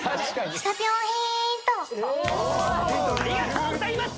ありがとうございます！